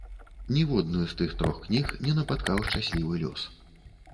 Ніводную з тых трох кніг не напаткаў шчаслівы лёс.